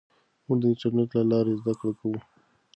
موږ د انټرنېټ له لارې زده کړه کوو.